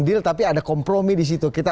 deal tapi ada kompromi di situ kita